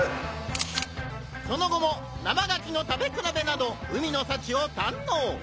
その後も「生牡蠣の食べ比べ」など海の幸を堪能！